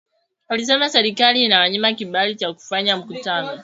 Alisema serikali iliwanyima kibali cha kufanya mkutano